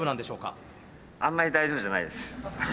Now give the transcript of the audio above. あんまり大丈夫じゃないです。